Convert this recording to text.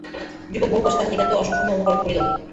যুবক বহুকষ্টে তাহার নিতান্ত অসম্পূর্ণ অনুকরণ করিল।